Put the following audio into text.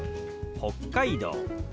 「北海道」。